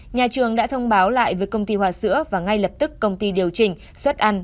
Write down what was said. nhà trường đã thông báo lại với công ty hòa sữa và ngay lập tức công ty điều chỉnh xuất ăn